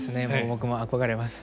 僕も憧れます。